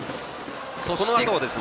このあとです。